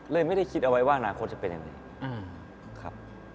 เลยไม่ได้คิดเอาไว้ว่าอนาคตจะเป็นอย่างไร